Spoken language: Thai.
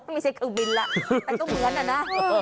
ไม่ใช่เครื่องบินแล้วแต่ก็เหมือนอะนะ